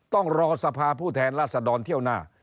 ต้องรอสภาพูดแทนล่าสะดอนเที่ยวหน้า